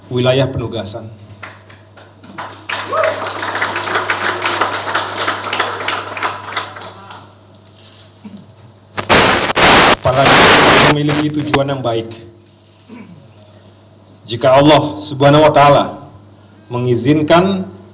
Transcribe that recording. wilayah penugasan para pemilik tujuan yang baik jika allah subhanahuwata'ala mengizinkan